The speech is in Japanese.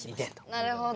なるほど。